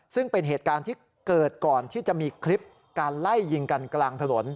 ซึ่งเป็นเหตุการณ์ที่เกิดก่อนที่จะมีคลิปการไล่ยิงกันกลางถนน